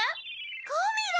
ゴミラ！